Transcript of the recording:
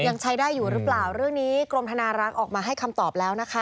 ยังใช้ได้อยู่หรือเปล่าเรื่องนี้กรมธนารักษ์ออกมาให้คำตอบแล้วนะคะ